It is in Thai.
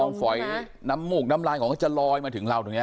ฝอยน้ำมูกน้ำลายของเขาจะลอยมาถึงเราตรงนี้